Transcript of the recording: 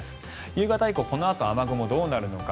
夕方以降、このあと雨雲はどうなっていくのか。